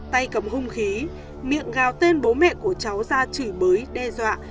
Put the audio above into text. tay cầm hung khí miệng gào tên bố mẹ của cháu ra chửi bới đe dọa